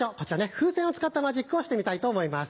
風船を使ったマジックをしてみたいと思います。